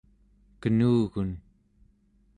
kenugun